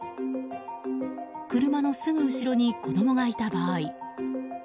車のすぐ後ろに子供がいた場合。